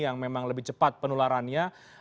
yang memang lebih cepat penularannya